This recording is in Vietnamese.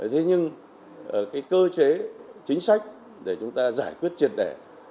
thế nhưng cái cơ chế chính sách để chúng ta giải quyết triệt đẻ